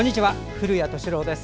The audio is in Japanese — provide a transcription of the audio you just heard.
古谷敏郎です。